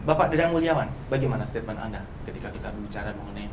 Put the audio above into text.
bapak dadang williawan bagaimana statement anda ketika kita berbicara mengenai